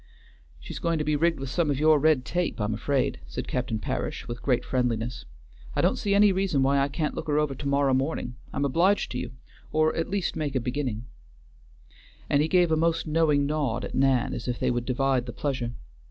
"She's going to be rigged with some of your red tape, I'm afraid," said Captain Parish, with great friendliness. "I don't see any reason why I can't look her over to morrow morning, I'm obliged to you, or at least make a beginning," and he gave a most knowing nod at Nan, as if they would divide the pleasure.